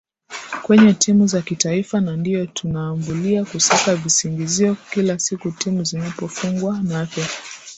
kwenye timu za kitaifa na ndiyo tunaambulia kusaka visingizio kila siku timu zinapofungwa Nape